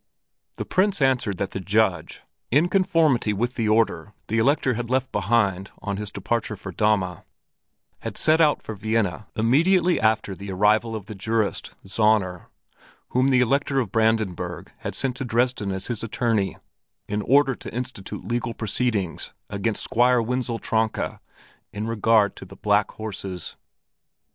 The Prince answered that the Judge, in conformity with the order the Elector had left behind on his departure for Dahme, had set out for Vienna immediately after the arrival of the jurist, Zäuner, whom the Elector of Brandenburg had sent to Dresden as his attorney in order to institute legal proceedings against Squire Wenzel Tronka in regard to the black horses.